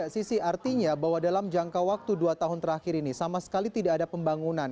sisi artinya bahwa dalam jangka waktu dua tahun terakhir ini sama sekali tidak ada pembangunan